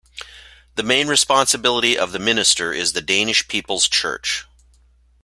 The main responsibility of the minister is the Danish People's Church.